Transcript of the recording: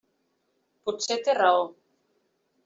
Potser té raó.